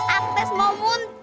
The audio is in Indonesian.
agnes mau muntah